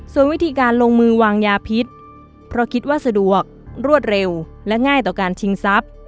ส่วนวิธีการลงมือวางยาพิษเพราะคิดว่าสะดวกรวดเร็วและง่ายต่อการชิงทรัพย์